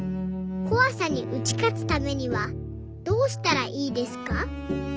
こわさに打ち勝つためにはどうしたらいいですか？」。